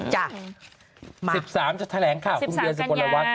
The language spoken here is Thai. ๑๓จะแถลงค่ะคุณเบียสุโกนระวัง